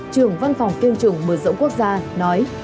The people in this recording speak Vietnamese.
trưởng văn phòng tiêm chủng mở rộng quốc gia nói